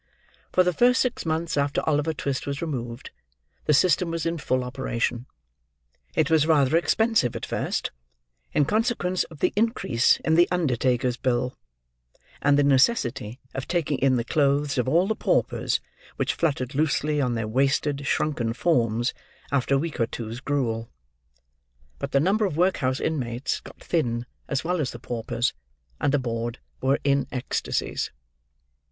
For the first six months after Oliver Twist was removed, the system was in full operation. It was rather expensive at first, in consequence of the increase in the undertaker's bill, and the necessity of taking in the clothes of all the paupers, which fluttered loosely on their wasted, shrunken forms, after a week or two's gruel. But the number of workhouse inmates got thin as well as the paupers; and the board were in ecstasies.